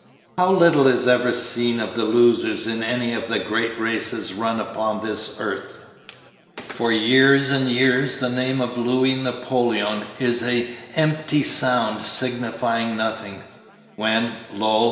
How little is ever seen of the losers in any of the great races run upon this earth? For years and years the name of Louis Napoleon is an empty sound, signifying nothing; when, lo!